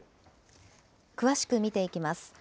詳しく見ていきます。